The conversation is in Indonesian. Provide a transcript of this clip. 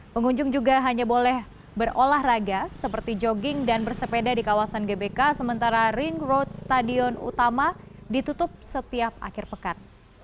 pengunjung juga hanya boleh berolahraga seperti jogging dan bersepeda di kawasan gbk sementara ring road stadion utama ditutup setiap akhir pekan